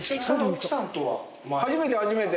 初めて初めて。